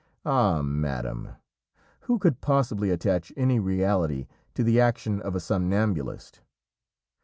"Ah! madam, who could possibly attach any reality to the action of a somnambulist?"